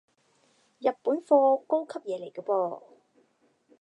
日本貨，高級嘢嚟個噃